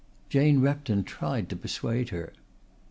Jane Repton tried to persuade her.